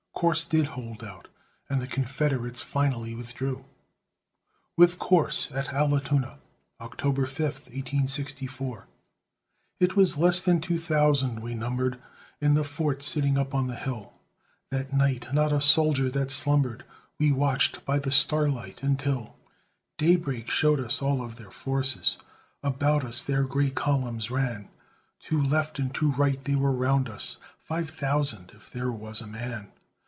Corse did hold out and the Confederates finally withdrew. WITH CORSE AT ALLATOONA [October 5, 1864] It was less than two thousand we numbered, In the fort sitting up on the hill; That night not a soldier that slumbered; We watched by the starlight until Daybreak showed us all of their forces; About us their gray columns ran, To left and to right they were round us, Five thousand if there was a man.